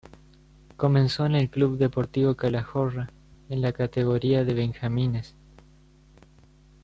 Comenzó en el Club Deportivo Calahorra en la categoría de benjamines.